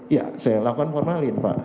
ya saya lakukan formalin pak